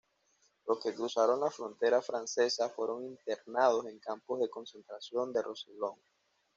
Los que cruzaron la frontera francesa fueron internados en campos de concentración del Rosellón.